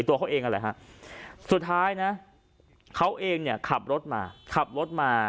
ตัวเขาเองนั่นแหละฮะสุดท้ายนะเขาเองเนี่ยขับรถมาขับรถมา